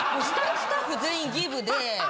スタッフ全員ギブで。